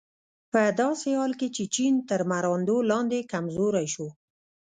په داسې حال کې چې چین تر مراندو لاندې کمزوری شو.